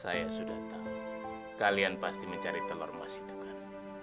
saya sudah tahu kalian pasti mencari telur emas itu kan